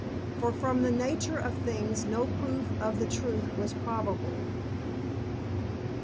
For from the nature of things no proof of the truth was probable.